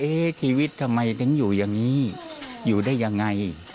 ชีวิตทำไมถึงอยู่อย่างนี้อยู่ได้ยังไง